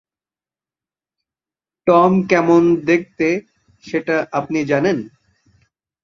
Tom কেমন দেখতে সেটা আপনি জানেন?